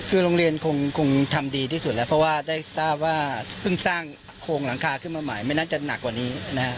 คือโรงเรียนคงทำดีที่สุดแล้วเพราะว่าได้ทราบว่าเพิ่งสร้างโครงหลังคาขึ้นมาใหม่ไม่น่าจะหนักกว่านี้นะฮะ